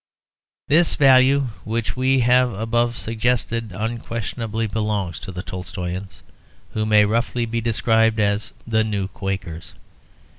This value which we have above suggested unquestionably belongs to the Tolstoians, who may roughly be described as the new Quakers.